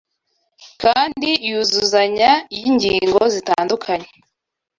kandi yuzuzanya y’ingingo zitandukanye